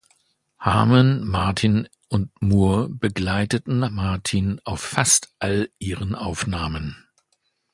Harman, Martin und Moore begleiteten Martin auf fast all ihren Aufnahmen.